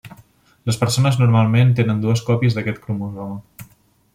Les persones normalment tenen dues còpies d'aquest cromosoma.